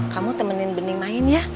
kamu temenin benih main ya